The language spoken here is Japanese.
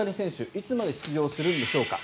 いつまで出場するのでしょうか。